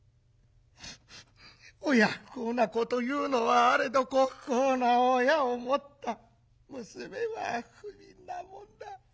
親不孝な子というのはあれど子不孝な親を持った娘はふびんなもんだ。